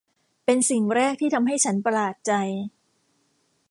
เป็นสิ่งแรกที่ทำให้ฉันประหลาดใจ